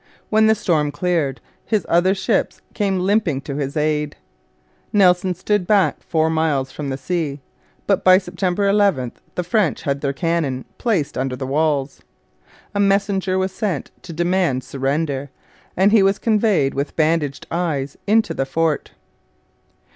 When the storm cleared, his other ships came limping to his aid. Nelson stood back four miles from the sea, but by September 11 the French had their cannon placed under the walls. A messenger was sent to demand surrender, and he was conveyed with bandaged eyes into the fort.